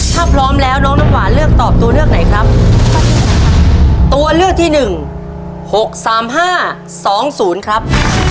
ถ้าพร้อมแล้วน้องน้ำหวานเลือกตอบตัวเลือกไหนครับตัวเลือกที่หนึ่งหกสามห้าสองศูนย์ครับ